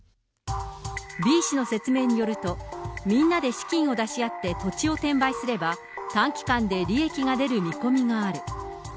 Ｂ氏の説明によると、みんなで資金を出し合って土地を転売すれば、短期間で利益が出る見込みがある。